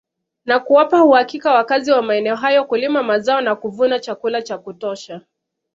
Na kuwapa uhakika wakazi wa maeneo hayo kulima mazaona kuvuna chakula cha kutosha